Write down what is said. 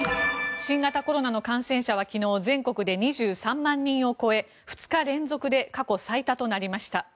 新型コロナの感染者は昨日全国で２３万人を超え２日連続で過去最多となりました。